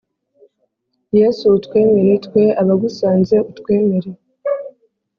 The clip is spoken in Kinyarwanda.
Yesu utwemere twe abagusanze utwemere